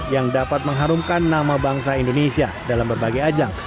yang dapat mengharumkan nama bangsa indonesia dalam berbagai ajang